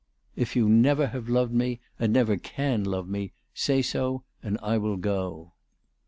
"If you never have loved me, and never can love me, say so, and I will go."